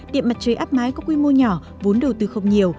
điện mặt trời áp mái có quy mô nhỏ vốn đầu tư không nhiều